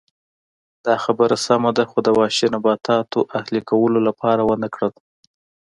دا خبره سمه ده خو د وحشي نباتاتو اهلي کولو لپاره ونه کړل